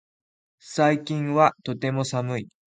最近はとても寒い